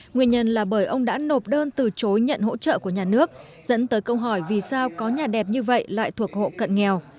nguyên nhân là bởi ông đã nộp đơn từ chối nhận hỗ trợ của nhà nước dẫn tới câu hỏi vì sao có nhà đẹp như vậy lại thuộc hộ cận nghèo